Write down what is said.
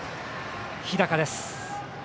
日高です。